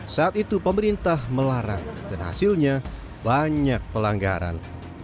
saat itu pemerintah melarang dan hasilnya banyak pelanggaran